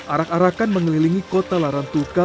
arak arakan mengelilingi kota laran tuka